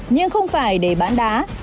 nhưng không phải để bán đá